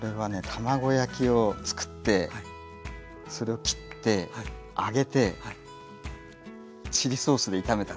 卵焼きをつくってそれを切って揚げてチリソースで炒めたんですよ。